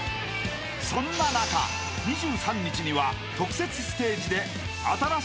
［そんな中２３日には特設ステージで］